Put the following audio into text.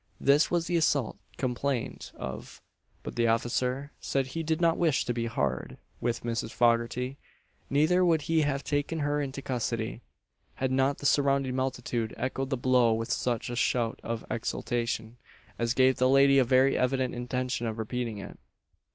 This was the assault complained of; but the officer said he did not wish to be hard with Mrs. Foggarty; neither would he have taken her into custody, had not the surrounding multitude echoed the blow with such a shout of exultation as gave the lady a very evident intention of repeating it.